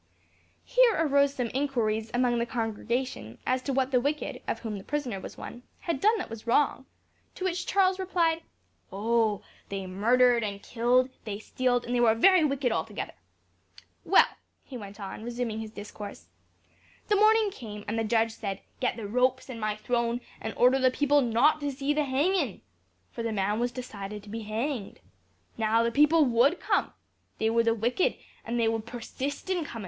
Here arose some inquiries among the congregation as to what the wicked, of whom the prisoner was one, had done that was wrong; to which Charles replied, "Oh! they murdered and killed; they stealed, and they were very wicked altogether. Well," he went on, resuming his discourse, "the morning came, and the judge said, 'Get the ropes and my throne, and order the people not to come to see the hangin'.' For the man was decided to be hanged. Now, the people would come. They were the wicked, and they would persist in comin'.